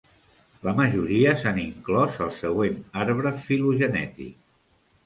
La majoria s'han inclòs al següent arbre filogenètic.